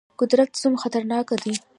قدرت ته څومره خطرناک دي.